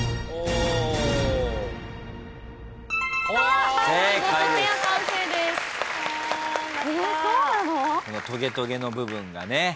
このトゲトゲの部分がね。